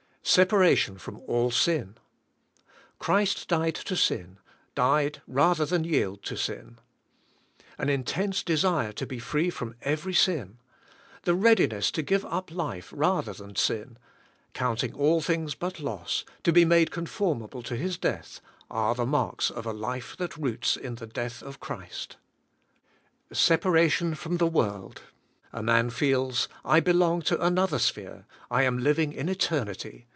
Separation from all sin. Christ died to sin; died rather than yield to sin. An intense desire to be free from every sin; the readiness to g"ive up life rather than sin; counting all things but loss to be made conformable to His death, are the marks of a life that roots in the death of Christ. Separation from the world. A man feels, I belong to another sphere, I am living in eternity.